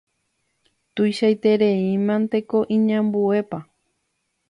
Tuichaitereíntemako iñambuepa